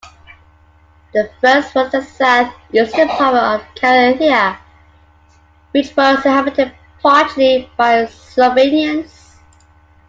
The first was the south-eastern part of Carinthia, which was inhabited partly by Slovenians.